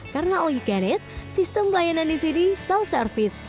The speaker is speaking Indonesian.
karena all you can eat sistem pelayanan di sini self service